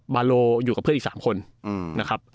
บาโลอยู่กับเพื่อนอีก๓คนนะครับ